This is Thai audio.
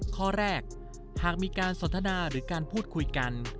ข้อแรกหากมีการสนทนาหรือการพูดคุยกัน